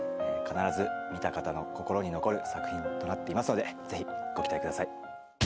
必ず見た方の心に残る作品となっていますのでぜひご期待ください